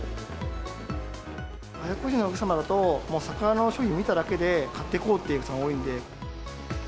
外国人のお客様だと、もう桜の商品見ただけで買ってこうってお客さんが多いので。